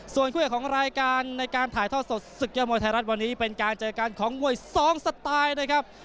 ส่วนคู่เอกของรายการในการถ่ายทอดสดศึกยอดมวยไทยรัฐวันนี้เป็นการเจอกันของมวย๒สไตล์นะครับ